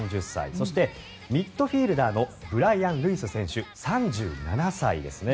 そして、ミッドフィールダーのブライアン・ルイス選手３７歳です。